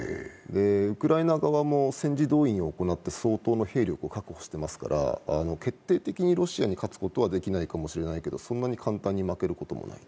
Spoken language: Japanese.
ウクライナ側も戦時動員を行って相当の兵力を確保していますから決定的にロシアに勝つことはできないかもしれないけれども、そんなに簡単に負けることもない。